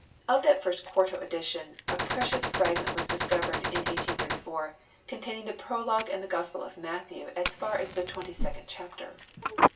Of that first quarto edition a precious fragment was discovered in 1834, con taining the prologue and the Gospel of Matthew as far as the 22nd chapter.